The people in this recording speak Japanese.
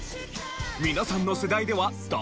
皆さんの世代では誰？